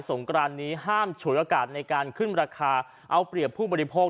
งกรานนี้ห้ามฉุยโอกาสในการขึ้นราคาเอาเปรียบผู้บริโภค